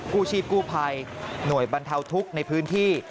กู้ชีพกู้ภัยหน่วยบรรเทาทุกข์ในพื้นที่